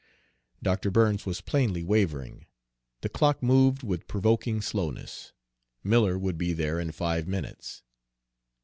Dr. Burns was plainly wavering. The clock moved with provoking slowness. Miller would be there in five minutes.